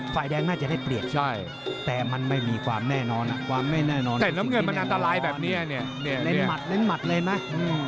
ฝ่ายแดงน่าจะได้เปรียบใช่ไหมแต่มันไม่มีความแน่นอนความไม่แน่นอนแต่น้ำเงินมันอันตรายแบบนี้เนี่ยเน้นหมัดเน้นหมัดเลยไหม